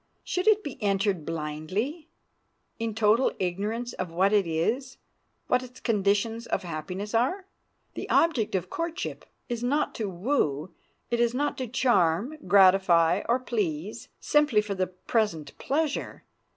Should it be entered blindly, in total ignorance of what it is, what its conditions of happiness are? The object of courtship is not to woo; it is not to charm, gratify, or please, simply for the present pleasure.